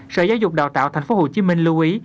sở giáo dục đào tạo tp hcm lưu ý